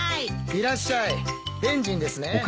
いらっしゃいベンジンですね。